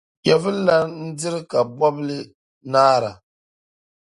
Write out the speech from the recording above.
Nyɛvililana n-diri kabɔbili naara.